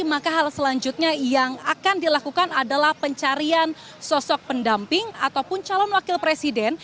maka hal selanjutnya yang akan dilakukan adalah pencarian sosok pendamping ataupun calon wakil presiden